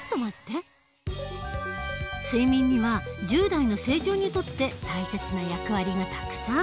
でも睡眠には１０代の成長にとって大切な役割がたくさん。